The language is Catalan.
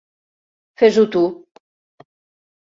Fes-ho tu.